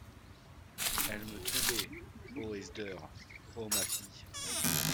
Ele me drombait!... ô Esder... ô ma fie...